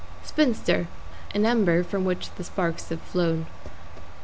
=SPINSTER= An ember from which the sparks have flown.